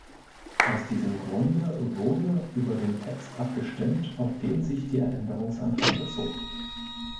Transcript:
Aus diesem Grunde wurde über den Text abgestimmt, auf den sich der Änderungsantrag bezog.